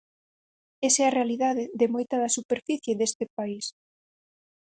Esa é a realidade de moita da superficie deste país.